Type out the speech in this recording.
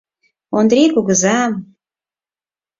Ондри кугызам!